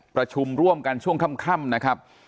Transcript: ประชุมร่วมกันช่วงค่ำนะครับ